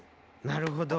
なるほど。